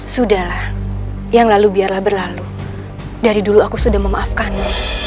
sudahlah yang lalu biarlah berlalu dari dulu aku sudah memaafkanmu